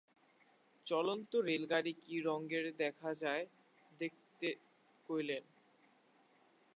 চলন্ত রেলগাড়ি কী রঙ দেখা যায় দেখতে কইলেন।